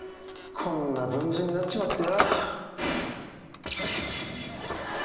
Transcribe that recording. こんなぶんずになっちまってよ。